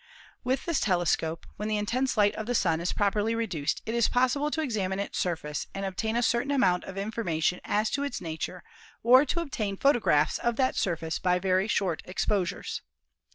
With the telescope, when the intense light of the Sun is properly reduced, it is possible to examine its surface and obtain a certain amount of information as to its nature or to obtain photographs of that surface by very short exposures.